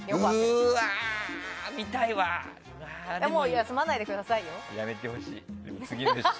でも休まないでくださいよ。